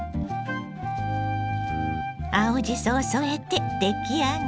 青じそを添えて出来上がり。